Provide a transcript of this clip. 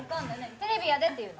「テレビやで！」って言うの？